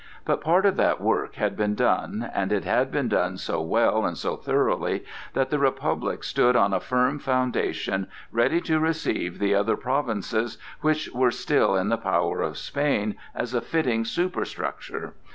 But part of that work had been done, and it had been done so well and so thoroughly that the Republic stood on a firm foundation ready to receive the other provinces which were still in the power of Spain as a fitting superstructure.